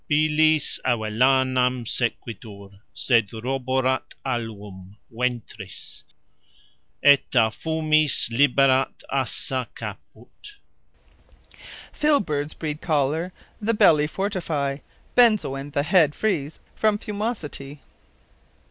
Bilis Avellanam sequitur; sed roborat alvum Ventris, & a fumis liberat assa caput. _Filberds breed Chollar, Th' Belly Fortifie, Benzoin the Head frees from Fumosity.